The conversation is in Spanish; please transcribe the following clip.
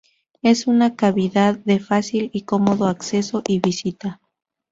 Es una cavidad de fácil y cómodo acceso y visita.